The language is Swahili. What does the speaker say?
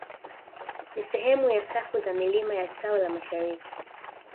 Ni sehemu ya safu za milima ya tao la mashariki